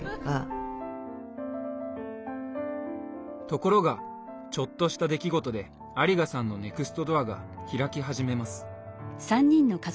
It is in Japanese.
ところがちょっとした出来事で有賀さんのネクストドアが開き始めます。